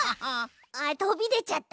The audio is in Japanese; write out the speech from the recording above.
あっとびでちゃった。